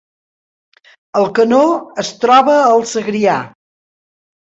Alcanó es troba al Segrià